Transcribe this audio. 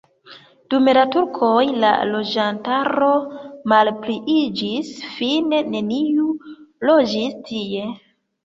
Dum la turkoj la loĝantaro malpliiĝis, fine neniu loĝis tie.